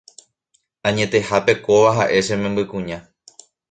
Añetehápe kóva ha'e che membykuña